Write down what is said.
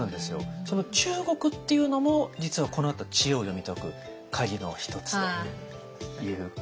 その中国っていうのも実はこのあと知恵を読み解く鍵の一つということなんですね。